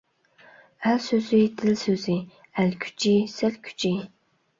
ئەل سۆزى — دىل سۆزى. ئەل كۈچى — سەل كۈچى.